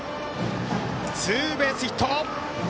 ツーベースヒット。